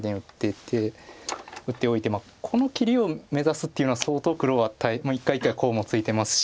打っておいてこの切りを目指すっていうのは相当黒は１回コウもついてますし。